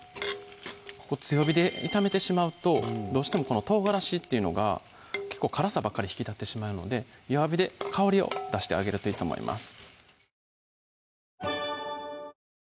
強火で炒めてしまうとどうしてもこの唐辛子っていうのが結構辛さばっかり引き立ってしまうので弱火で香りを出してあげるといいと思います